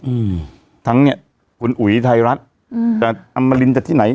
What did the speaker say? อืมทั้งเนี้ยคุณอุ๋ยไทยรัฐอืมจะอมรินจะที่ไหน